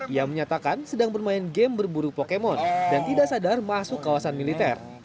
ia menyatakan sedang bermain game berburu pokemon dan tidak sadar masuk kawasan militer